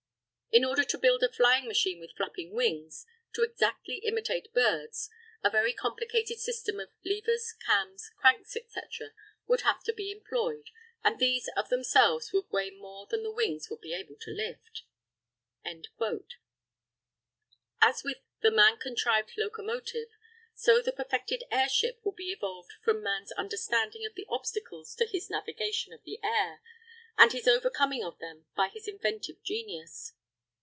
In order to build a flying machine with flapping wings, to exactly imitate birds, a very complicated system of levers, cams, cranks, etc., would have to be employed, and these of themselves would weigh more than the wings would be able to lift." As with the man contrived locomotive, so the perfected airship will be evolved from man's understanding of the obstacles to his navigation of the air, and his overcoming of them by his inventive genius.